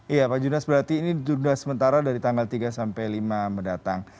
iya pak junas berarti ini ditunda sementara dari tanggal tiga sampai lima mendatang